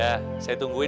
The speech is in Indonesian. lo udah ngalah ngalah gue